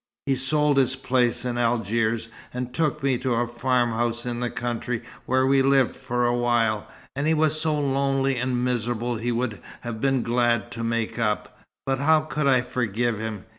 He sold his place in Algiers, and took me to a farm house in the country where we lived for a while, and he was so lonely and miserable he would have been glad to make up, but how could I forgive him?